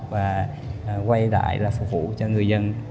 và quay lại là phục vụ cho người dân